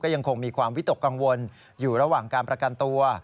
ยังคงมีความวิตกกังวลอยู่ระหว่างการประกันตัว